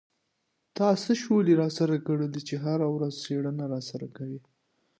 تا څه شولې را سره کرلې دي چې هره ورځ څېړنه را سره کوې.